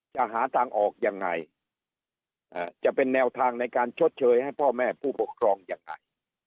จะหาทางออกยังไงจะเป็นแนวทางในการชดเชยให้พ่อแม่ผู้ปกครองยังไง